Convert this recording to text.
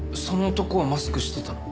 その男はマスクしてた？